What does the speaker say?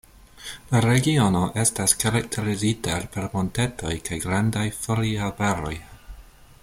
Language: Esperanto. La regiono estas karakterizita per montetoj kaj grandaj foliarbaroj.